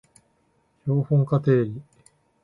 標本化定理